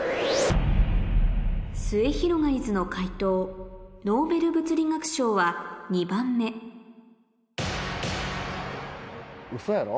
すゑひろがりずの解答「ノーベル物理学賞は２番目」ウソやろ？